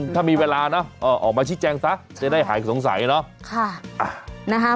ถ้ามีเวลาเนอะออกมาชี้แจงซะจะได้หายสงสัยเนาะ